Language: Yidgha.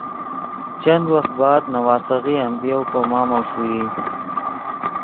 چند وخت بعد نواسیغے ام پے یؤ کو مامو ݰوئی